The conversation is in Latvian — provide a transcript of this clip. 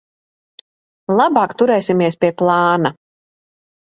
Labāk turēsimies pie plāna.